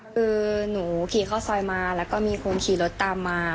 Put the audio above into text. คือหนูขี่เข้าซอยมาแล้วก็มีคนขี่รถตามมา